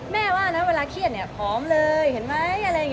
แม่ว่านะเวลาเครียดเนี่ยพร้อมเลยเห็นไหม